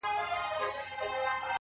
تا خو د خپل وجود زکات کله هم ونه ايستی،